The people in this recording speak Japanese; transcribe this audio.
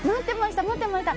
待ってました！